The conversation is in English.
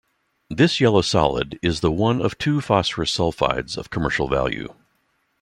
This yellow solid is the one of two phosphorus sulfides of commercial value.